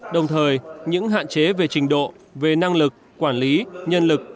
đồng thời những hạn chế về trình độ về năng lực quản lý nhân lực